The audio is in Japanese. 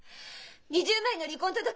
２０枚の離婚届